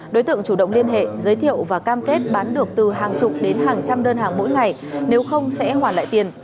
đối tượng chủ động liên hệ giới thiệu và cam kết bán được từ hàng chục đến hàng trăm đơn hàng mỗi ngày nếu không sẽ hoàn lại tiền